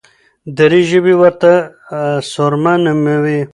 دري ژبي ورته سرمه نوموي.